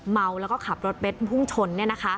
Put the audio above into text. เมาและขับรถเบศพู่งชน